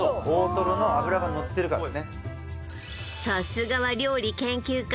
さすがは料理研究家！